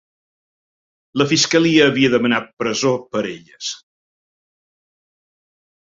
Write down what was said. La fiscalia havia demanat presó per elles.